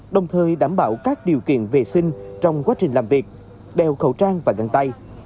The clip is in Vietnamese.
đồng thời đảm bảo các điều kiện vệ sinh trong quá trình làm việc đeo khẩu trang và găng tay